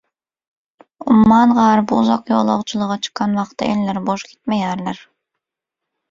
Umman gary bu uzak ýolagçylyga çykan wagty elleri boş gitmeýärler.